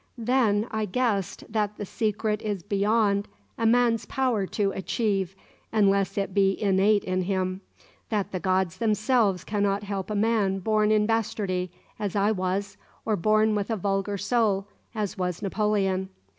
Then I guessed that the secret is beyond a man's power to achieve, unless it be innate in him; that the gods themselves cannot help a man born in bastardy, as I was, or born with a vulgar soul, as was Napoleon.